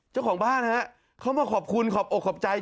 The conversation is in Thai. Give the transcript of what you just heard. เจ้าของบ้านฮะเขามาขอบคุณขอบอกขอบใจ